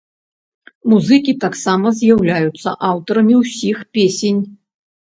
Музыкі таксама з'яўляюцца аўтарамі ўсіх песень.